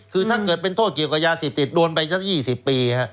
คือถ้าเกิดเป็นโทษเกี่ยวกับยาเสพติดโดนไปสัก๒๐ปี